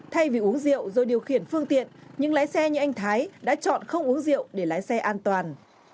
thay vì uống rượu rồi điều khiển phương tiện những lái xe như anh thái đã chọn không uống rượu để lái xe an toàn